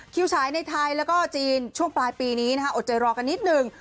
คิวชายในไทยและจีนช่วงปลายปีนี้อดใจรอกันนิดหนึ่ง